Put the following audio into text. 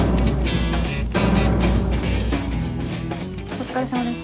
お疲れさまです。